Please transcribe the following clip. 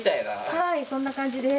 はいそんな感じです。